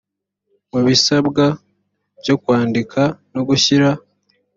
mu bisabwa byo kwandika no gushyira